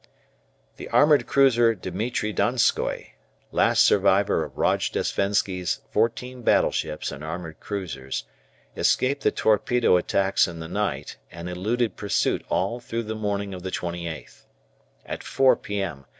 The armoured cruiser "Dimitri Donskoi," last survivor of Rojdestvensky's fourteen battleships and armoured cruisers, escaped the torpedo attacks in the night, and eluded pursuit all through the morning of the 28th. At 4 p.m.